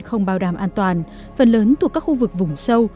không bảo đảm an toàn phần lớn thuộc các khu vực vùng sâu